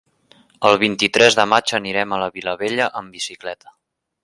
El vint-i-tres de maig anirem a la Vilavella amb bicicleta.